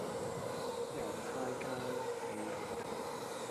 猶太教莉亞堂